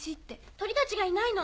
鳥たちがいないの。